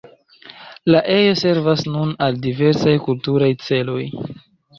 La ejo servas nun al diversaj kulturaj celoj.